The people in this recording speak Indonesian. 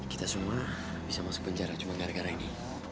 kita semua bisa masuk penjara cuma gara gara ini